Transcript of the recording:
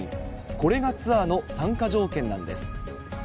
これがツアーの参加条件なんです。